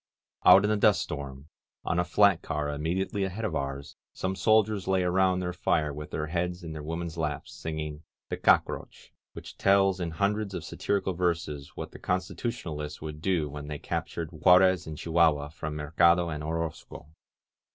••• Out in the dust storm, on a flat car immediately ahead of ours, some soldiers lay around their fire with their heads in their women's laps, singing ^^The Cock roach," which tells in hundreds of satirical verses what the Constitutionalists would do when they captured Juarez and Chihuahua from Mercado and Orozco.